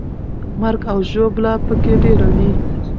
مرګ او ژوبله به پکې ډېره وي.